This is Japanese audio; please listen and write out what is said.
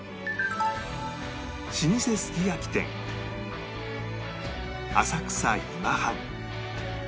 老舗すき焼き店浅草今半